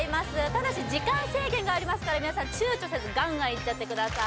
ただし時間制限がありますから皆さん躊躇せずガンガンいっちゃってください